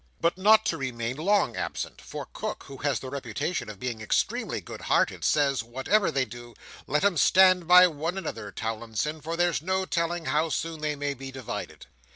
But not to remain long absent; for Cook, who has the reputation of being extremely good hearted, says, whatever they do, let 'em stand by one another now, Towlinson, for there's no telling how soon they may be divided.